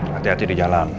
hati hati di jalan